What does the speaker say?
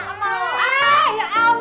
eh ya allah